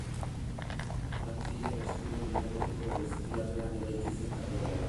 Frantziar estilo neogotiko goiztiarrean eraiki zen katedrala.